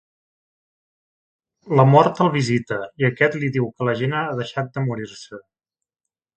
La Mort el visita, i aquest li diu que la gent ha deixat de morir-se.